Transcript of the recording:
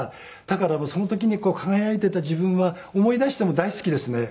だからその時に輝いていた自分は思い出しても大好きですね。